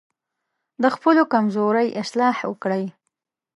د خپلو کمزورۍ اصلاح وکړئ.